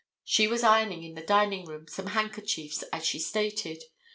She was ironing in the dining room some handkerchiefs, as she stated.